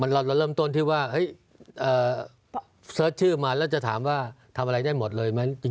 เราเริ่มต้นที่ว่าเสิร์ชชื่อมาแล้วจะถามว่าทำอะไรได้หมดเลยไหม